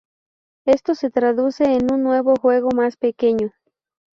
Esto se traduce en un nuevo juego más pequeño.